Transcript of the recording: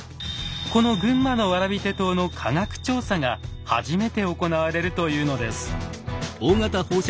この群馬の蕨手刀の科学調査が初めて行われるというのです。